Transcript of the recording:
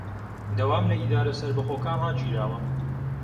دەوام لە ئیدارە سەربەخۆکان ڕاگیراوە